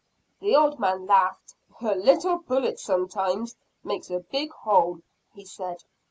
The old man laughed. "A little bullet sometimes makes a big hole," he said.